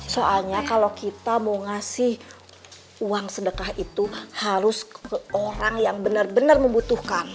soalnya kalau kita mau ngasih uang sedekah itu harus ke orang yang benar benar membutuhkan